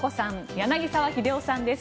柳澤秀夫さんです。